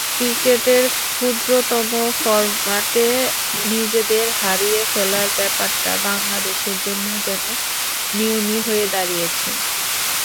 ক্রিকেটের ক্ষুদ্রতম ফরম্যাটে নিজেদের হারিয়ে ফেলার ব্যাপারটা বাংলাদেশের জন্য যেন নিয়মই হয়ে দাঁড়িয়েছে।